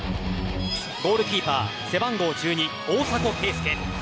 ゴールキーパー背番号１２・大迫敬介。